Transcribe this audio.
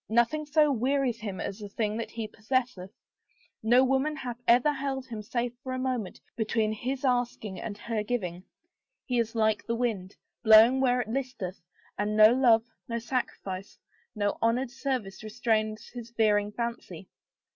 ... Nothing so wearies him as the thing that he possesseth. No woman hath ever held him save for the moment between his asking and her giving. He is like the wind, blowing where it listeth, and no love, no sacrifice, no honored service restrains his veering fancy.